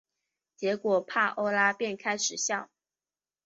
结果帕欧拉便开始笑。